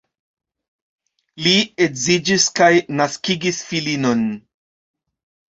Li edziĝis kaj naskigis filinon.